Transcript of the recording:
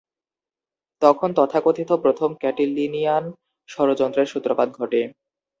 তখন তথাকথিত প্রথম ক্যাটিলিনিয়ান ষড়যন্ত্রের সূত্রপাত ঘটে।